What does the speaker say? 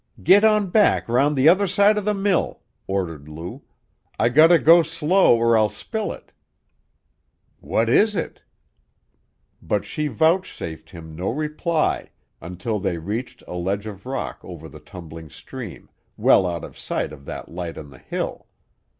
"Git on back 'round the other side of the mill!" ordered Lou. "I gotta go slow or I'll spill it." "What is it?" But she vouchsafed him no reply until they reached a ledge of rock over the tumbling stream, well out of sight of that light on the hill.